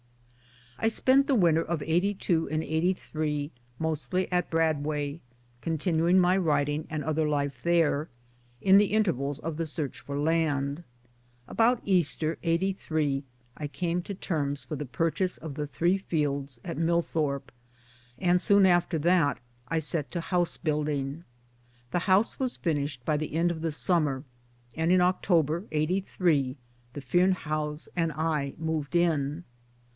I spent the winter of '82 and '83 mostly at Brad way, continuing my writing and other life there, in the intervals of the search for land. About Easter '83 I came to terms for the purchase of the three fields at Millthorpe, and soon after that I set to house building. The house was finished by the end of the summer, and in October '83 the Fearnehoughs and I moved in.